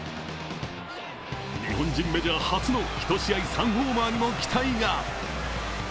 日本人メジャー初の１試合３ホーマーにも期待が。